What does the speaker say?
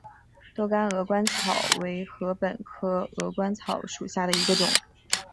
多秆鹅观草为禾本科鹅观草属下的一个种。